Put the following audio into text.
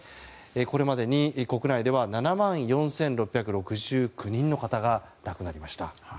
これまでに、国内では７万４６６９人の方が亡くなりました。